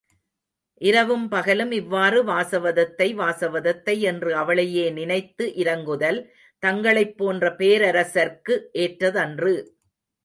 இரவும் பகலும் இவ்வாறு வாசவதத்தை வாசவதத்தை என்று அவளையே நினைத்து இரங்குதல் தங்களைப் போன்ற பேரரசர்க்கு ஏற்றதன்று!